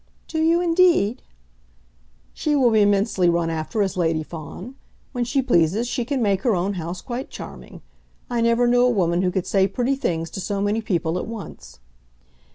"Do you, indeed?" "She will be immensely run after as Lady Fawn. When she pleases she can make her own house quite charming. I never knew a woman who could say pretty things to so many people at once."